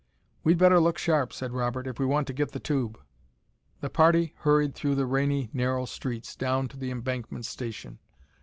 "We'd better look sharp," said Robert, "if we want to get the tube." The party hurried through the rainy narrow streets down to the Embankment station.